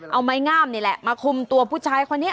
เอาไม้งามนี่แหละมาคุมตัวผู้ชายคนนี้